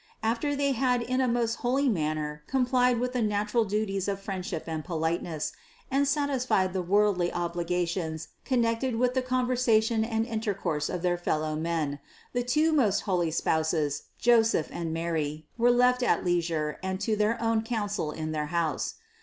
After they had in a most holy manner complied with the natural duties of friendship and politeness, and satisfied the worldly obligations connected with the con versation and intercourse of their fellowmen, the two most holy spouses, Joseph and Mary, were left at leisure and to their own counsel in their house.